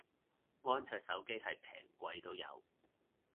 安卓手機係平貴都有